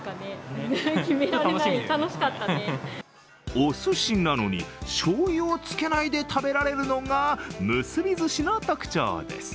おすしなのに、しょうゆをつけないで食べられるのがむすび寿司の特徴です。